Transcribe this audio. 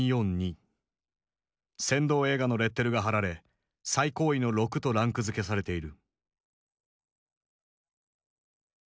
扇動映画のレッテルが貼られ最高位の６とランクづけされている。